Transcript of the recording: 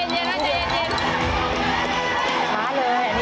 มาเลยนี่ใครสุดแล้ว